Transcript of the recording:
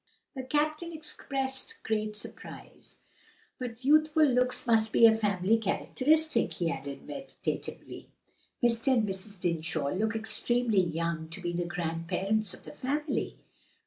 The captain expressed great surprise. "But youthful looks must be a family characteristic," he added meditatively. "Mr. and Mrs. Dinsmore look extremely young to be the grandparents of the family."